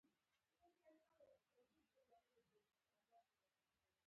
د بریک نیولو وخت په سرعت پورې اړه لري